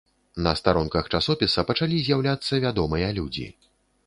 На старонках часопіса пачалі з'яўляцца вядомыя людзі.